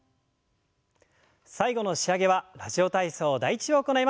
最後の仕上げは「ラジオ体操第１」を行います。